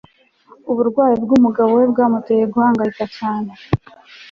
Uburwayi bwumugabo we bwamuteye guhangayika cyane